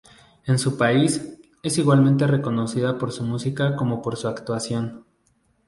En su país, es igualmente reconocida por su música como por su actuación.